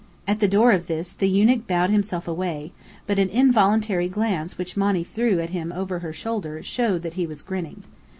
At the door of this, the eunuch bowed himself away; but an involuntary glance which Monny threw at him over her shoulder showed that he was grinning.